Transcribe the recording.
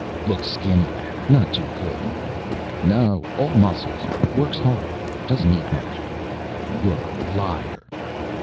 "Look skinny. Not too good." "No, all muscles. Works hard. Doesn't eat much." "You're a liar!"